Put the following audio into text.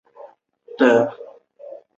情绪处理的也很不错